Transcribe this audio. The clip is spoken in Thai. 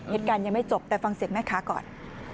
เหตุการณ์ยังไม่จบแต่ฟังเสียงแม่ค้าก่อน